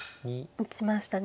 打ちましたね。